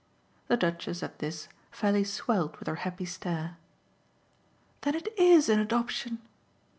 The Duchess, at this, fairly swelled with her happy stare. "Then it IS an adoption?"